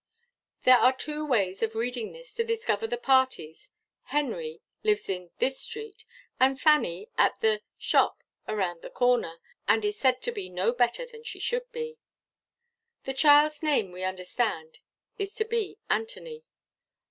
There are two ways of reading this to discover the parties. Henry lives in THIS STREET, and Fanny at the shop round the corner, and is said to be no better than she should be. The child's name we understand is to be Anthony.